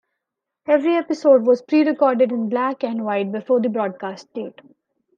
Every episode was pre-recorded in black and white before the broadcast date.